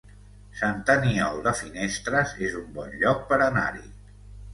Sant Aniol de Finestres es un bon lloc per anar-hi